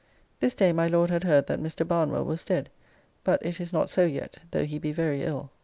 This day my Lord had heard that Mr. Barnwell was dead, but it is not so yet, though he be very ill.